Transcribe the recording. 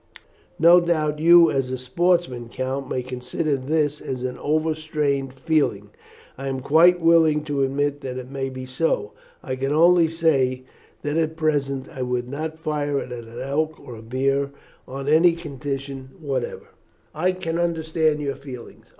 No doubt you, as a sportsman, Count, may consider this as overstrained feeling. I am quite willing to admit that it may be so. I can only say that at present I would not fire at an elk or a bear on any condition whatever." "I can understand your feelings.